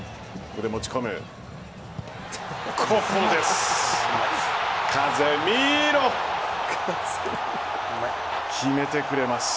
ここで持ち込む、ここです。